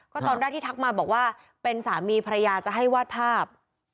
ก็ตอนแรกที่ทักมาบอกว่าเป็นสามีภรรยาจะให้วาดภาพ